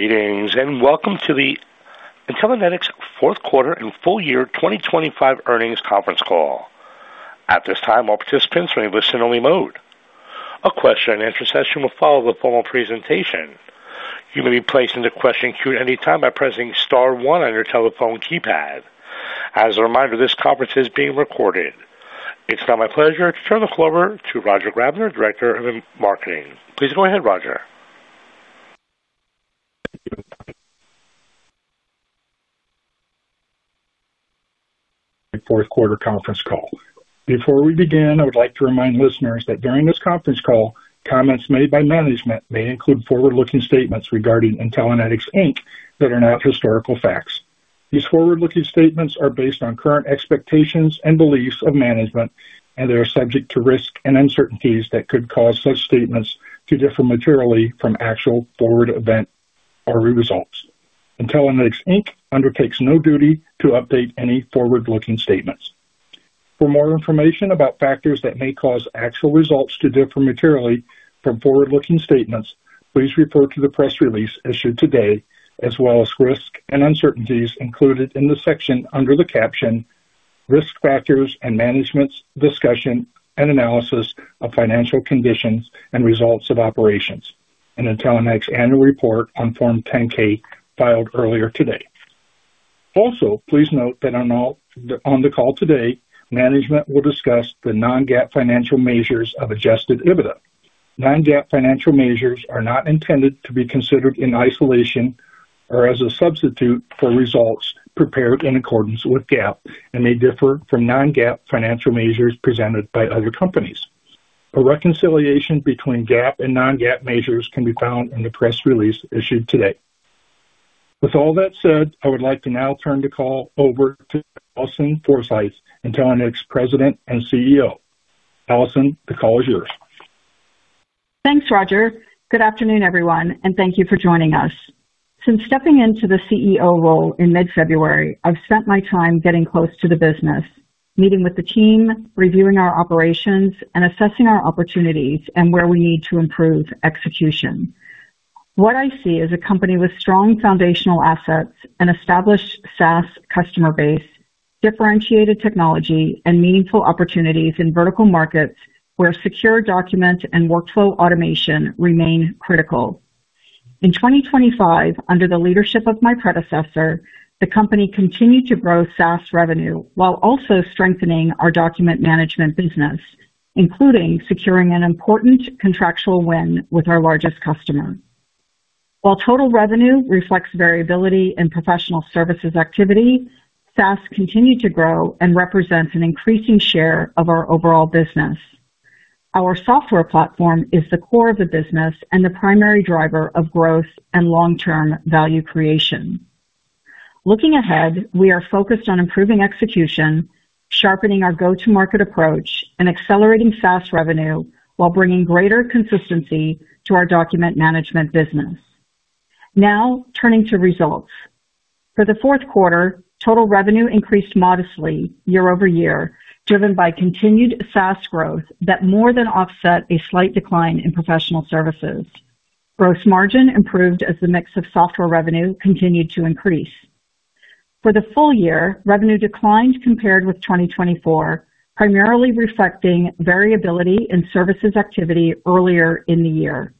Good evening, and welcome to the Intellinetics fourth quarter and full year 2025 earnings conference call. At this time, all participants are in listen-only mode. A question and answer session will follow the formal presentation. You may be placed in the question queue at any time by pressing star one on your telephone keypad. As a reminder, this conference is being recorded. It's now my pleasure to turn the call over to Roger Grabner, Director of Marketing. Please go ahead, Roger. Thank you. Fourth quarter conference call. Before we begin, I would like to remind listeners that during this conference call, comments made by management may include forward-looking statements regarding Intellinetics, Inc. that are not historical facts. These forward-looking statements are based on current expectations and beliefs of management, and they are subject to risks and uncertainties that could cause such statements to differ materially from actual future events or results. Intellinetics, Inc. undertakes no duty to update any forward-looking statements. For more information about factors that may cause actual results to differ materially from forward-looking statements, please refer to the press release issued today, as well as risks and uncertainties included in the section under the caption risk factors and management's discussion and analysis of financial condition and results of operations in Intellinetics annual report on Form 10-K filed earlier today. Also, please note that on the call today, management will discuss the non-GAAP financial measures of adjusted EBITDA. Non-GAAP financial measures are not intended to be considered in isolation or as a substitute for results prepared in accordance with GAAP and may differ from non-GAAP financial measures presented by other companies. A reconciliation between GAAP and non-GAAP measures can be found in the press release issued today. With all that said, I would like to now turn the call over to Alison Forsythe, Intellinetics President and CEO. Alison, the call is yours. Thanks, Roger. Good afternoon, everyone, and thank you for joining us. Since stepping into the CEO role in mid-February, I've spent my time getting close to the business, meeting with the team, reviewing our operations, and assessing our opportunities and where we need to improve execution. What I see is a company with strong foundational assets, an established SaaS customer base, differentiated technology, and meaningful opportunities in vertical markets where secure document and workflow automation remain critical. In 2025, under the leadership of my predecessor, the company continued to grow SaaS revenue while also strengthening our document management business, including securing an important contractual win with our largest customer. While total revenue reflects variability in professional services activity, SaaS continued to grow and represents an increasing share of our overall business. Our software platform is the core of the business and the primary driver of growth and long-term value creation. Looking ahead, we are focused on improving execution, sharpening our go-to-market approach, and accelerating SaaS revenue while bringing greater consistency to our document management business. Now turning to results. For the fourth quarter, total revenue increased modestly year over year, driven by continued SaaS growth that more than offset a slight decline in professional services. Gross margin improved as the mix of software revenue continued to increase. For the full year, revenue declined compared with 2024, primarily reflecting variability in services activity earlier in the year.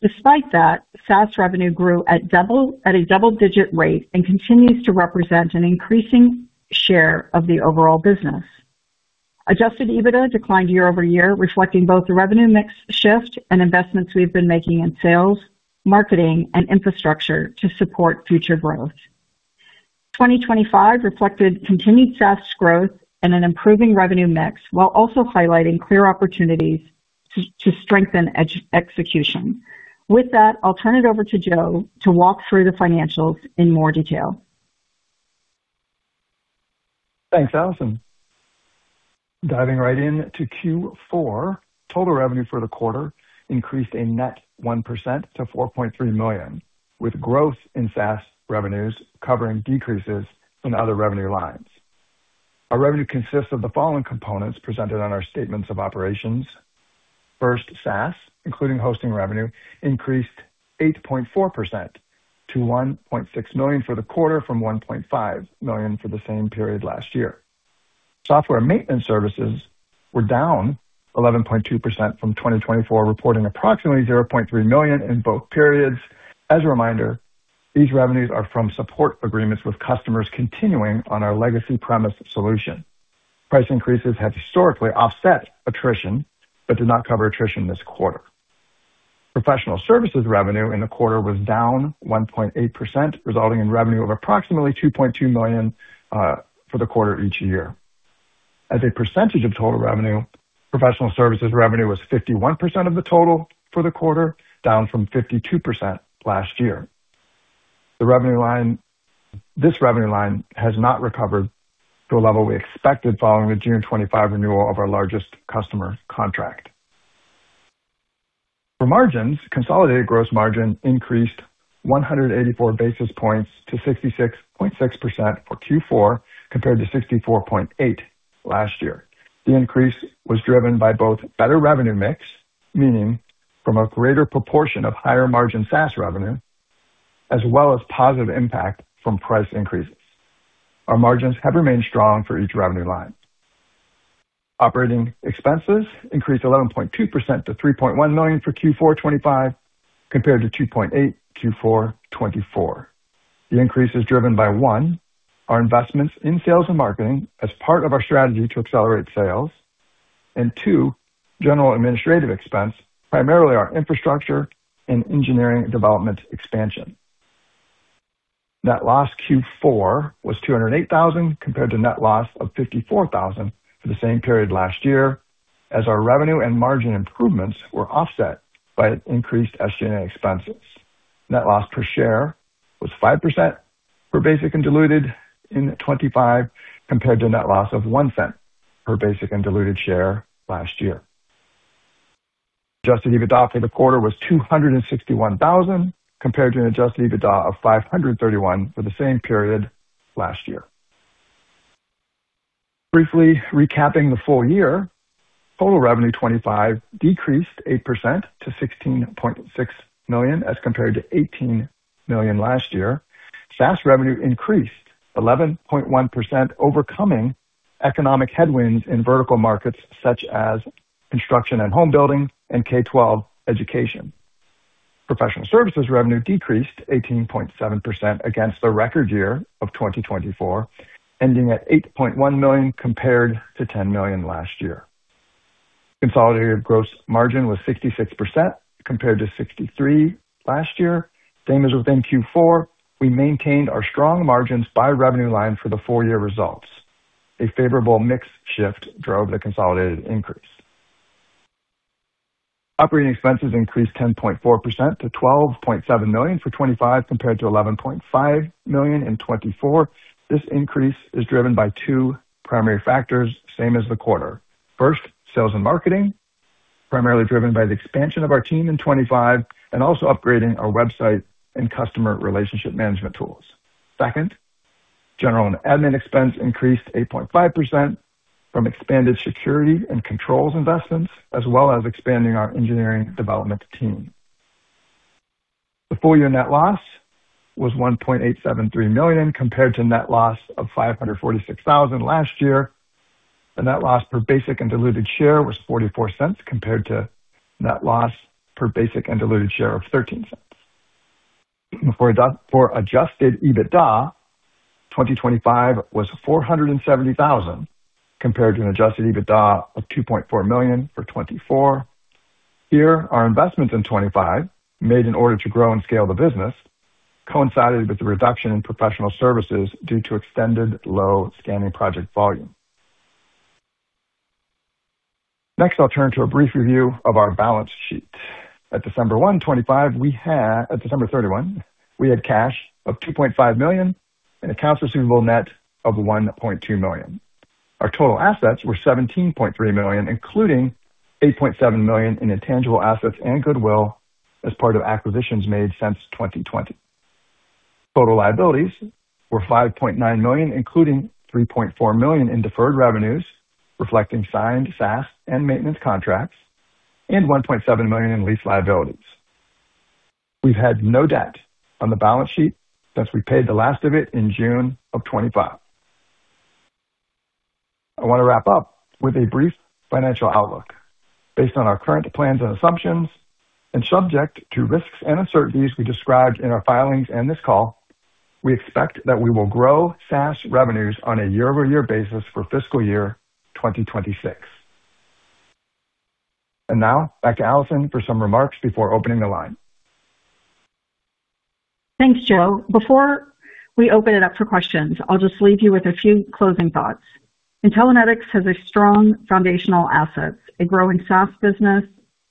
Despite that, SaaS revenue grew at a double-digit rate and continues to represent an increasing share of the overall business. Adjusted EBITDA declined year-over-year, reflecting both the revenue mix shift and investments we've been making in sales, marketing, and infrastructure to support future growth. 2025 reflected continued SaaS growth and an improving revenue mix while also highlighting clear opportunities to strengthen execution. With that, I'll turn it over to Joe to walk through the financials in more detail. Thanks, Alison. Diving right into Q4, total revenue for the quarter increased a net 1% to $4.3 million, with growth in SaaS revenues covering decreases from other revenue lines. Our revenue consists of the following components presented on our statements of operations. First, SaaS, including hosting revenue, increased 8.4% to $1.6 million for the quarter from $1.5 million for the same period last year. Software maintenance services were down 11.2% from 2024, reporting approximately $0.3 million in both periods. As a reminder, these revenues are from support agreements with customers continuing on our legacy premise solution. Price increases have historically offset attrition but did not cover attrition this quarter. Professional services revenue in the quarter was down 1.8%, resulting in revenue of approximately $2.2 million for the quarter each year. As a percentage of total revenue, professional services revenue was 51% of the total for the quarter, down from 52% last year. This revenue line has not recovered to a level we expected following the June 2025 renewal of our largest customer contract. Consolidated gross margin increased 184 basis points to 66.6% for Q4 compared to 64.8% last year. The increase was driven by both better revenue mix, meaning from a greater proportion of higher margin SaaS revenue, as well as positive impact from price increases. Our margins have remained strong for each revenue line. Operating expenses increased 11.2% to $3.1 million for Q4 2025 compared to $2.8 million for Q4 2024. The increase is driven by, one, our investments in sales and marketing as part of our strategy to accelerate sales, and two, general administrative expense, primarily our infrastructure and engineering development expansion. Net loss for Q4 was $208,000 compared to net loss of $54,000 for the same period last year, as our revenue and margin improvements were offset by increased SG&A expenses. Net loss per share was $0.05 for basic and diluted in 2025 compared to net loss of $0.01 for basic and diluted share last year. Adjusted EBITDA for the quarter was $261,000 compared to an adjusted EBITDA of $531,000 for the same period last year. Briefly recapping the full year, total revenue 2025 decreased 8% to $16.6 million as compared to $18 million last year. SaaS revenue increased 11.1%, overcoming economic headwinds in vertical markets such as construction and home building and K-12 education. Professional services revenue decreased 18.7% against the record year of 2024, ending at $8.1 million compared to $10 million last year. Consolidated gross margin was 66% compared to 63% last year. Same as within Q4, we maintained our strong margins by revenue line for the full year results. A favorable mix shift drove the consolidated increase. Operating expenses increased 10.4% to $12.7 million for 2025 compared to $11.5 million in 2024. This increase is driven by two primary factors, same as the quarter. First, sales and marketing, primarily driven by the expansion of our team in 2025 and also upgrading our website and customer relationship management tools. Second, general and admin expense increased 8.5% from expanded security and controls investments, as well as expanding our engineering development team. The full year net loss was $1.873 million compared to net loss of $546,000 last year. The net loss per basic and diluted share was $0.44 compared to net loss per basic and diluted share of $0.13. For adjusted EBITDA, 2025 was $470,000 compared to an adjusted EBITDA of $2.4 million for 2024. Here, our investments in 2025, made in order to grow and scale the business, coincided with the reduction in professional services due to extended low scanning project volume. Next, I'll turn to a brief review of our balance sheet. At December 31, 2025, we had cash of $2.5 million and accounts receivable net of $1.2 million. Our total assets were $17.3 million, including $8.7 million in intangible assets and goodwill as part of acquisitions made since 2020. Total liabilities were $5.9 million, including $3.4 million in deferred revenues, reflecting signed SaaS and maintenance contracts, and $1.7 million in lease liabilities. We've had no debt on the balance sheet since we paid the last of it in June 2025. I want to wrap up with a brief financial outlook. Based on our current plans and assumptions, and subject to risks and uncertainties we described in our filings and this call, we expect that we will grow SaaS revenues on a year-over-year basis for fiscal year 2026. Now back to Alison for some remarks before opening the line. Thanks, Joe. Before we open it up for questions, I'll just leave you with a few closing thoughts. Intellinetics has a strong foundational assets, a growing SaaS business,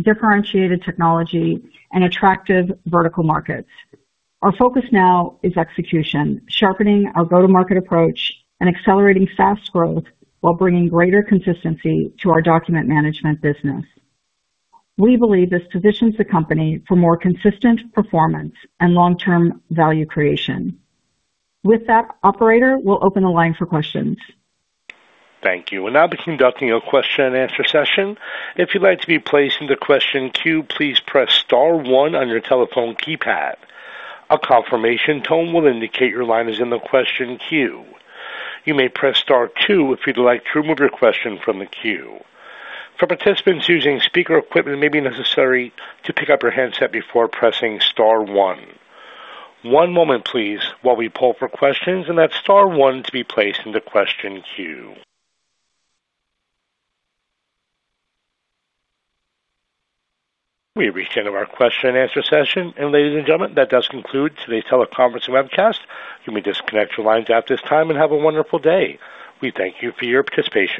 differentiated technology, and attractive vertical markets. Our focus now is execution, sharpening our go-to-market approach, and accelerating SaaS growth while bringing greater consistency to our document management business. We believe this positions the company for more consistent performance and long-term value creation. With that, operator, we'll open the line for questions. Thank you. We'll now be conducting a question and answer session. If you'd like to be placed in the question queue, please press star one on your telephone keypad. A confirmation tone will indicate your line is in the question queue. You may press star two if you'd like to remove your question from the queue. For participants using speaker equipment, it may be necessary to pick up your handset before pressing star one. One moment, please, while we pull for questions, and that's star one to be placed in the question queue. We've reached the end of our question and answer session. Ladies and gentlemen, that does conclude today's teleconference and webcast. You may disconnect your lines at this time and have a wonderful day. We thank you for your participation.